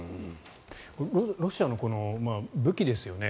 ロシアの武器ですよね。